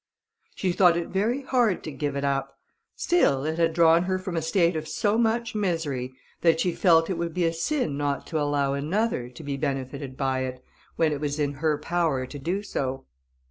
She thought it very hard to give it up: still it had drawn her from a state of so much misery, that she felt it would be a sin not to allow another to be benefited by it when it was in her power to do so.